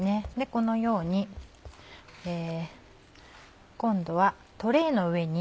このように今度はトレーの上に。